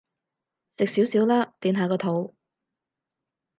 食少少啦，墊下個肚